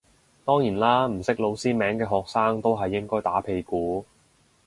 當然啦唔識老師名嘅學生都係應該打屁股